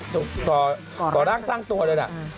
ลูกก่อร้างสร้างตัวเลยแหละ